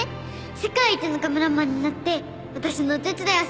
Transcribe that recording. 世界一のカメラマンになって私のお手伝いをするの。